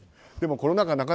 でも、コロナ禍